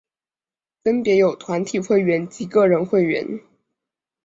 分别有团体会员及个人会员。